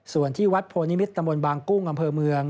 ส่วนที่วัดโพนิมิตรตำบลบางกุ้งอำเภอเมือง